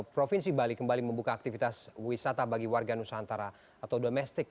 provinsi bali kembali membuka aktivitas wisata bagi warga nusantara atau domestik